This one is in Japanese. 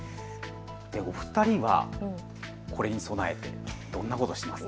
お二人はこれに備えどんなことしていますか。